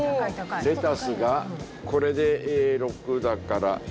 レタスがこれで６だから９００円。